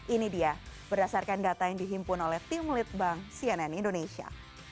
ini dia berdasarkan data yang dihimpun oleh tim litbang cnn indonesia